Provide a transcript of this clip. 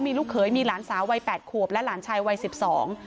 มีลูกเขยมีหลานสาววัยแปดขวบและหลานชายวัยสิบสอง